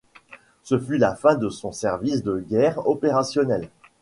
Ce fut la fin de son service de guerre opérationnel.